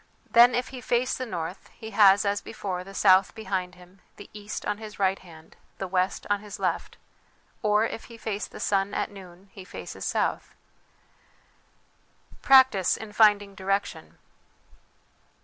Then if he face the north, he has, as before, the south behind him, the east on his right hand, the west on his left ; or if he face the sun at noon, he faces south. Practice in finding Direction.